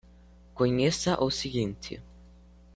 Conheça o seguinte